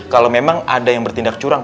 kalau memang ada yang bertindak curang